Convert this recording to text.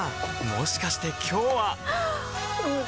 もしかして今日ははっ！